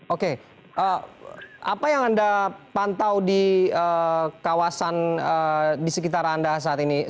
oke apa yang anda pantau di kawasan di sekitar anda saat ini